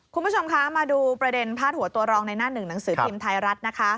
คุณผู้ชมคะมาดูประเด็นพาดหัวตัวรองในหน้าหนึ่งหนังสือพิมพ์ไทยรัฐนะคะ